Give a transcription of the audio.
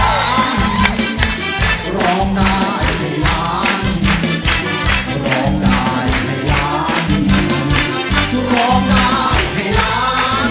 สาสวยใบโฟนผู้อุปการณ์รักพ่ออย่างเป็นทางการ